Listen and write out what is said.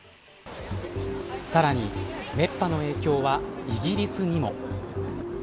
さらに熱波の影響はイギリスにも。